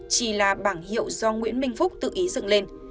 chỉ là bảng hiệu do nguyễn minh phúc tự ý dựng lên